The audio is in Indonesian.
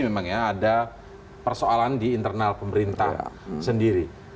memang ya ada persoalan di internal pemerintah sendiri